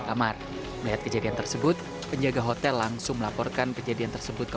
kamar melihat kejadian tersebut penjaga hotel langsung melaporkan kejadian tersebut ke